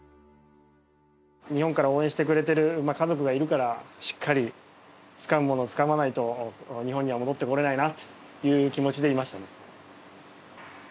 日本から応援してくれてる家族がいるからしっかりつかむものつかまないと日本には戻って来れないなという気持ちでいましたね。